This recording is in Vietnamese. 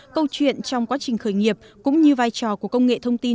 câu chuyện trong quá trình khởi nghiệp cũng như vai trò của công nghệ thông tin